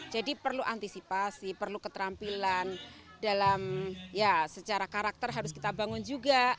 jadi perlu antisipasi perlu keterampilan dalam ya secara karakter harus kita bangun juga